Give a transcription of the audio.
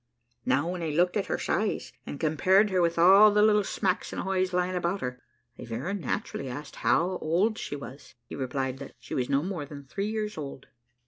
Now when I looked at her size, and compared her with all the little smacks and hoys lying about her, I very naturally asked how old she was; he replied, that she was no more than three years old.